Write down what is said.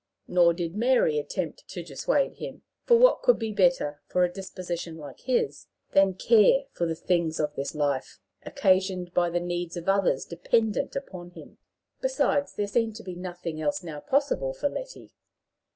Nor did Mary attempt to dissuade him; for what could be better for a disposition like his than care for the things of this life, occasioned by the needs of others dependent upon him! Besides, there seemed to be nothing else now possible for Letty.